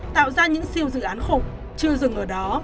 tạo ra những siêu dự án khủng chưa dừng ở đó